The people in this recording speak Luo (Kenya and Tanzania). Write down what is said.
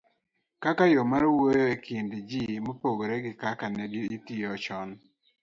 kaka yo mar wuoyo e kind ji mopogore gi kaka ne itiyo chon.